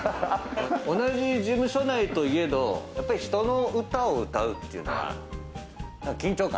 同じ事務所内といえどやっぱり人の歌を歌うっていうのは緊張感ありますよね。